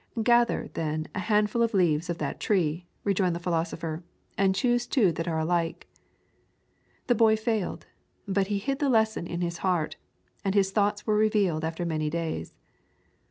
'Gather, then, a handful of leaves of that tree,' rejoined the philosopher, 'and choose two that are alike.' The boy failed; but he hid the lesson in his heart, and his thoughts were revealed after many days.